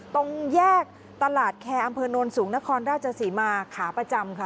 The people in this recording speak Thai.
ตรงแยกตลาดแคร์อำเภอโนนสูงนครราชศรีมาขาประจำค่ะ